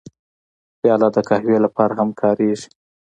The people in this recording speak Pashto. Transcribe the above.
پیاله د قهوې لپاره هم کارېږي.